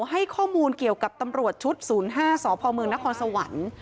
ให้ข้อมูลเกี่ยวกับตำรวจชุด๐๕สพเมืองนครสวรรค์